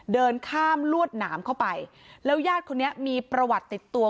เดินข้ามลวดหนามเข้าไปแล้วญาติคนนี้มีประวัติติดตัว